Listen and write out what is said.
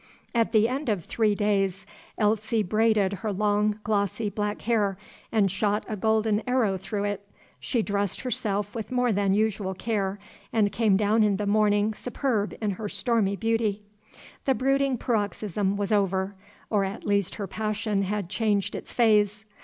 At the end of three days, Elsie braided her long, glossy, black hair, and shot a golden arrow through it. She dressed herself with more than usual care, and came down in the morning superb in her stormy beauty. The brooding paroxysm was over, or at least her passion had changed its phase.